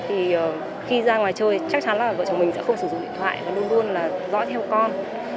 thì khi ra ngoài chơi chắc chắn là vợ chồng mình sẽ không sử dụng điện thoại và luôn luôn là dõi theo con